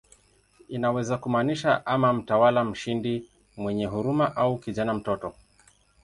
Inaweza kumaanisha ama "mtawala mshindi mwenye huruma" au "kijana, mtoto".